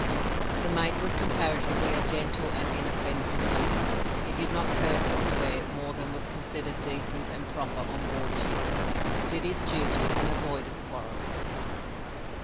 The mate was comparatively a gentle and inoffensive lamb. He did not curse and swear more than was considered decent and proper on board ship, did his duty, and avoided quarrels.